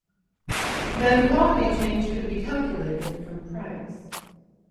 Then quality change could be calculated from price.